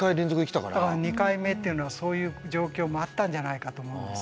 だから２回目というのはそういう状況もあったんじゃないかと思うんですね。